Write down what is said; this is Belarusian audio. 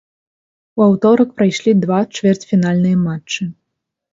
У аўторак прайшлі два чвэрцьфінальныя матчы.